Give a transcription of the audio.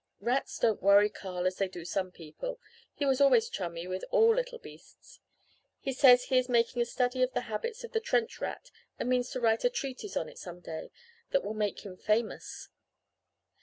Rats don't worry Carl as they do some people he was always chummy with all little beasts. He says he is making a study of the habits of the trench rat and means to write a treatise on it some day that will make him famous.